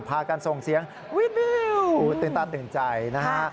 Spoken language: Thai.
พากันส่งเสียงวิวตื่นตาตื่นใจนะฮะ